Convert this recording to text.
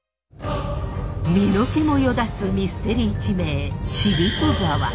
身の毛もよだつミステリー地名死人沢。